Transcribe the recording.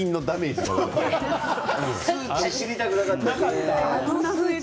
知りたくなかった。